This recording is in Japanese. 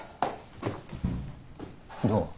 どう？